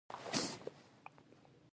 آیا د نیالګیو کینول د پسرلي پیل نه دی؟